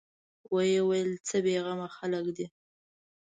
ويې ويل: څه بېغمه خلک دي.